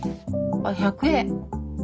１００円。